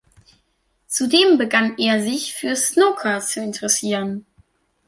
Zudem begann er sich fürs Snooker zu interessieren.